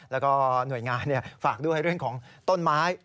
แล้วก็หน่วยงานฝากด้วยเรื่องของต้นไม้